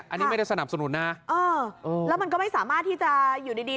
อันนี้ไม่ได้สนับสนุนนะเออแล้วมันก็ไม่สามารถที่จะอยู่ดีดี